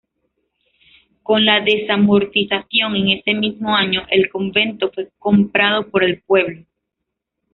Con la desamortización, en ese mismo año el convento fue comprado por el pueblo.